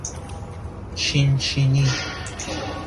چین چینی